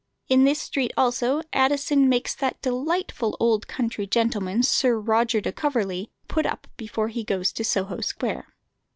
In this street also Addison makes that delightful old country gentleman, Sir Roger de Coverley, put up before he goes to Soho Square.